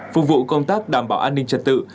phục vụ công tác đảm bảo an ninh trật tự